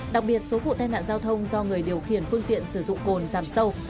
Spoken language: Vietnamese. đặc biệt số vụ tai nạn giao thông do người điều khiển phương tiện sử dụng cồn giảm sâu